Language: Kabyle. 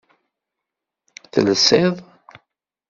Telsiḍ?